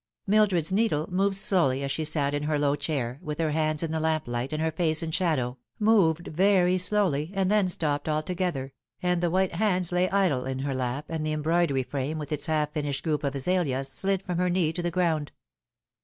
Mildred's needle moved slowly, as she sat in her low chair, with her hands in the lamplight and her face in shadow, moved very slowly, and then stopped altogether, and the white handa lay idle in her lap, and the embroidery frame, with its half finished group of azaleas, slid from her knee to the ground.